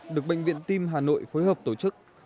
được bệnh viện tim hà nội phối hợp tổ chức